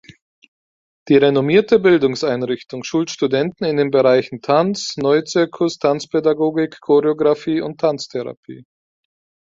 Die renommierte Bildungseinrichtung schult Studenten in den Bereichen Tanz, Neu-Zirkus, Tanzpädagogik, Choreographie und Tanztherapie.